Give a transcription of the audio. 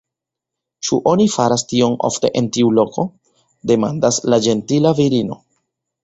“Ĉu oni faras tion ofte en tiu loko?” demandas la ĝentila virino.